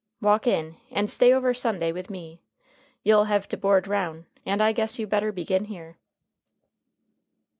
Walk in, and stay over Sunday with me. You'll hev' to board roun', and I guess you better begin here."